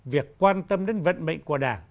việc quan tâm đến vận mệnh của đảng